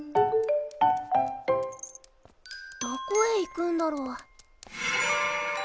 どこへ行くんだろう？